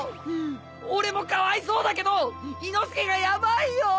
俺もかわいそうだけど伊之助がヤバいよぉ。